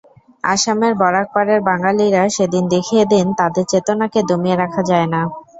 আসামের বরাকপারের বাঙালিরা সেদিন দেখিয়ে দেন, তাঁদের চেতনাকে দমিয়ে রাখা যায় না।